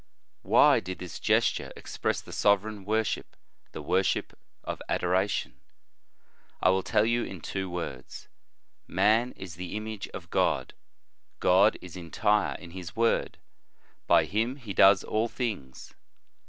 "f Why did this gesture express the sovereign worship, the worship of adoration ? I will tell you in two words. Man is the image of God. God is entire in His Word ; by Him He does all things.